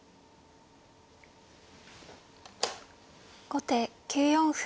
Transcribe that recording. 後手９四歩。